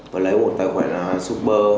và lấy một tài khoản là super